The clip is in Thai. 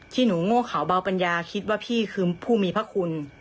ที่หนูโง่เขาเบาปัญญาคิดว่าพี่คือผู้มีพระคุณ